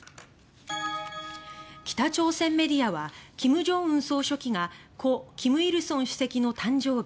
北朝鮮メディアは金正恩総書記が故・金日成主席の誕生日